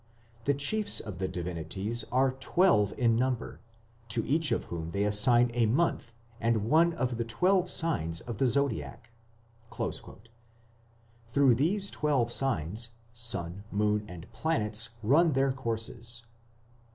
The chiefs of the Divinities are twelve in number, to each of whom they assign a month and one of the twelve signs of the Zodiac." Through these twelve signs sun, moon, and planets run their courses.